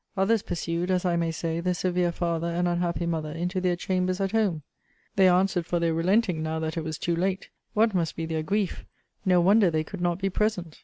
Others pursued, as I may say, the severe father and unhappy mother into their chambers at home 'They answered for their relenting, now that it was too late! What must be their grief! No wonder they could not be present!'